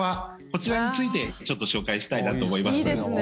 こちらについて紹介したいなと思います。